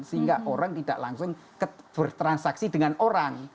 sehingga orang tidak langsung bertransaksi dengan orang